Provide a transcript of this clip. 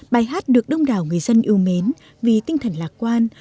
bài hát được đông đảo người dân yêu mến vì tinh thần lạc quan